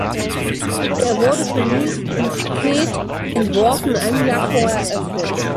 Er wurde von Louis Cloquet entworfen und ein Jahr vorher eröffnet.